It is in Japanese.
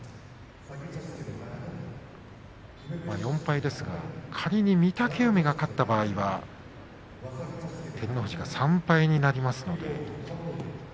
４敗ですが仮に御嶽海が勝った場合は照ノ富士が３敗になりますので。